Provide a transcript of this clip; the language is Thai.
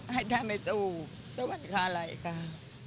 ให้ท่านไปสู่สวัสดิ์คาไหลค่ะ